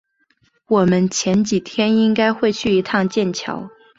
我们前几天应该会去一趟剑桥